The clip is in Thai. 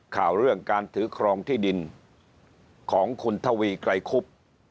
ข่าวเรื่องการถือครองที่ดินของคุณทวีไกรคุบ